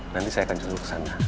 nanti saya akan coba ke sana